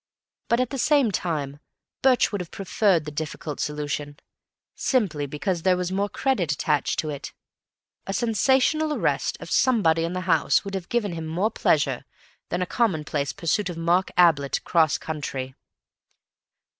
But at the same time Birch would have preferred the difficult solution, simply because there was more credit attached to it. A "sensational" arrest of somebody in the house would have given him more pleasure than a commonplace pursuit of Mark Ablett across country.